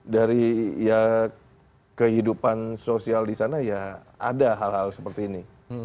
dari ya kehidupan sosial di sana ya ada hal hal seperti ini